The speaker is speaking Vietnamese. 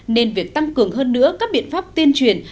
nên việc tăng cường hơn nữa các biện pháp tuyên truyền